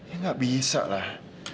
ini gak bisa lah